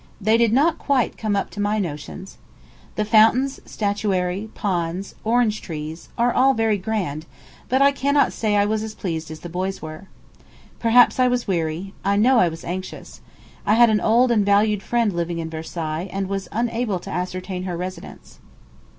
They did not quite come up to my notions. The fountains, statuary, ponds, orange trees, are all very grand; but I cannot say that I was as pleased as the boys were. Perhaps I was weary; I know I was anxious. I had an old and valued friend living in Versailles, and was unable to ascertain her residence.